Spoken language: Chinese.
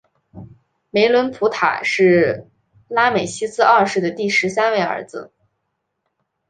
梅伦普塔是拉美西斯二世的第十三位儿子。